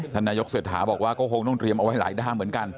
ท่านนายกเศรษฐาบอกว่าก็คงต้องเตรียมเอาไว้หลายด้านเหมือนกัน